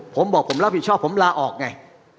ผมลาออกไง